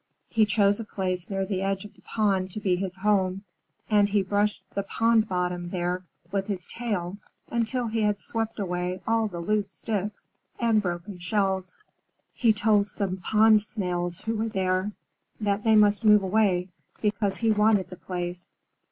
He chose a place near the edge of the pond to be his home; and he brushed the pond bottom there with his tail until he had swept away all the loose sticks and broken shells. He told some Pond Snails, who were there, that they must move away because he wanted the place.